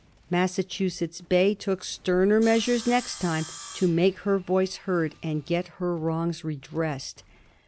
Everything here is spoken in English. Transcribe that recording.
Massachusetts Bay took sterner measures next time to make her voice heard and get her wrongs redressed.